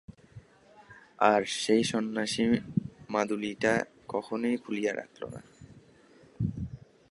আর, সেই সন্ন্যাসীর মাদুলিটা কখনোই খুলিয়া রাখিয়ো না।